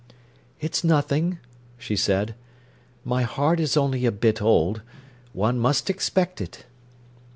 "It's nothing," she said. "My heart is only a bit old; one must expect it."